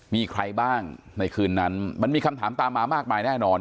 มีใครบ้างในคืนนั้นมันมีคำถามตามมามากมายแน่นอน